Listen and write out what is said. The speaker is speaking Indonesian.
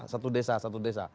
satu desa satu desa